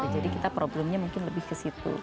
jadi kita problemnya mungkin lebih ke situ